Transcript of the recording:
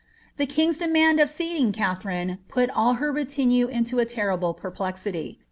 The king's demand of seeing Katharine put all her retinue into a terrible perplexity.